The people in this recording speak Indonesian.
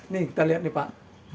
nih kita lihat nih pak